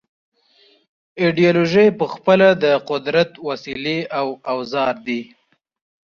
ایدیالوژۍ پخپله د قدرت وسیلې او اوزار دي.